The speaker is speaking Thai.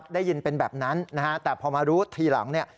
ได้ยินเป็นแบบนั้นแต่พอมารู้ทีหลัง